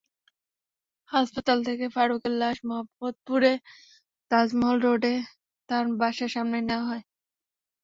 হাসপাতাল থেকে ফারুকের লাশ মোহাম্মদপুরের তাজমহল রোডে তাঁর বাসার সামনে নেওয়া হয়।